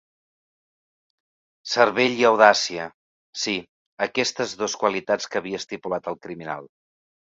Cervell i audàcia... sí, aquestes dos qualitats que havia estipulat al criminal.